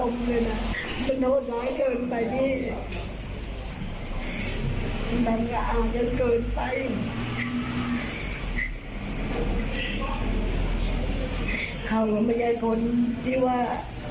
เขาก็ไม่ใช่คนที่ว่า